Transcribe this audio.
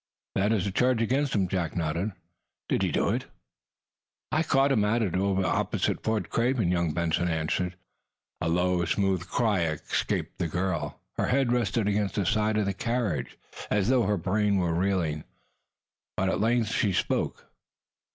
"That is the charge against him," Jack nodded. "Did he do it?" "I caught him at it, opposite Fort Craven," young Benson answered. A low, smothered cry escaped the girl. Her head rested against the side of the carriage as though her brain were reeling. But at length she spoke.